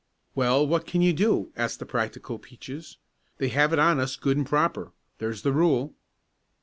"Well, what can you do?" asked the practical Peaches. "They have it on us good and proper. There's the rule."